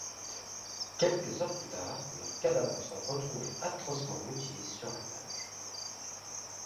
Quelques heures plus tard, leurs cadavres sont retrouvés atrocement mutilés sur la plage.